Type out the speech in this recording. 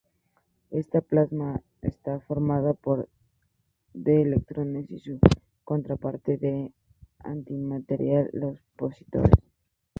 Este plasma está formado por de electrones y su contraparte de antimateria, los positrones.